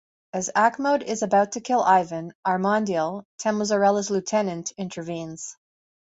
As Achmode is about to kill Ivan, Armandiel, Temozarela's lieutenant, intervenes.